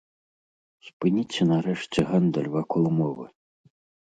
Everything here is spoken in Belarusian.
Спыніце нарэшце гандаль вакол мовы.